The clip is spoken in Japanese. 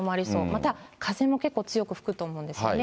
また風も結構強く吹くと思うんですよね。